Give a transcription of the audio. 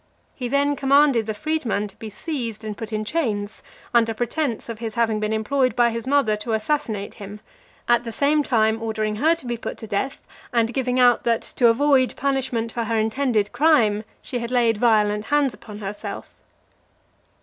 He then commanded the freedman to be seized and put in chains, under pretence of his having been employed by his mother to assassinate him; at the same time ordering her to be put to death, and giving out, that, to avoid punishment for her intended crime, she had laid violent hands upon herself.